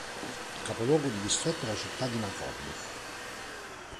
Il capoluogo di distretto è la città di Náchod.